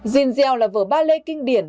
giselle là vở ballet kinh điển